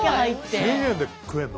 １，０００円で食えるの？